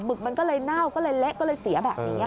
ึกมันก็เลยเน่าก็เลยเละก็เลยเสียแบบนี้